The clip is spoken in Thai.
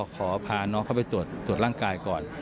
ขอพาน้องเข้าไปตรวจร่างกายก่อน